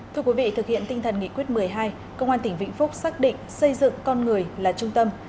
thưa quý vị thực hiện tinh thần nghị quyết một mươi hai công an tỉnh vĩnh phúc xác định xây dựng con người là trung tâm